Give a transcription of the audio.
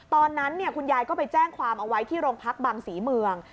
ตอนนั้นคุณยายก็ไปแจ้งความเอาไว้ที่โรงพักบางศรีเมือง